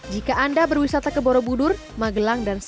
jika anda berwisata ke borobudur magelang dan selatan